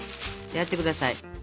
やってください。